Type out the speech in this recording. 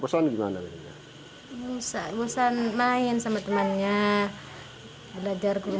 bosan main sama temannya belajar di rumah temannya